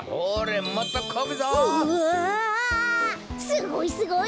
すごいすごい！